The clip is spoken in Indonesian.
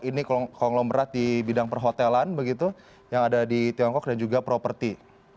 ini konglomerat di bidang perhotelan begitu yang ada di tiongkok dan juga properti